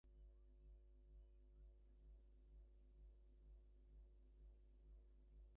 Solar bollards store energy during daylight hours in order to illuminate during night.